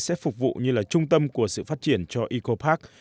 sẽ phục vụ như là trung tâm của sự phát triển cho eco park